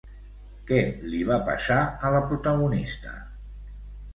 Què li va passar a la protagonista?